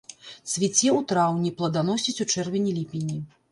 Цвіце ў траўні, пладаносіць у чэрвені-ліпені.